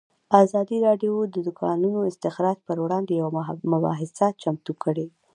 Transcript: ازادي راډیو د د کانونو استخراج پر وړاندې یوه مباحثه چمتو کړې.